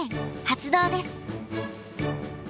発動です。